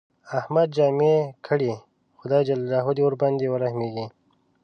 احمد جامې کړې، خدای ج دې ورباندې ورحمېږي.